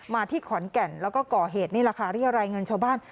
ที่ขอนแก่นแล้วก็ก่อเหตุนี่แหละค่ะเรียรายเงินชาวบ้าน